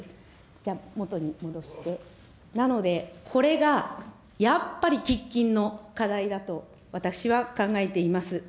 じゃあ、元に戻して、なので、これがやっぱり喫緊の課題だと私は考えています。